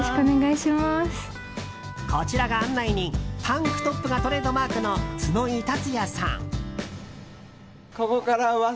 こちらが案内人タンクトップがトレードマークの角井竜也さん。